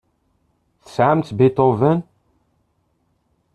Tesɛamt Beethoven?